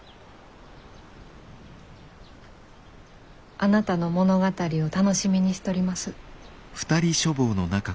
あなたの物語を楽しみにしとります。